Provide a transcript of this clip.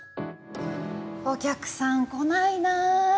お客さん来ないな。